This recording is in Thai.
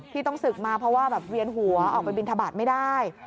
ต้องศึกมาเพราะว่าแบบเวียนหัวออกไปบินทบาทไม่ได้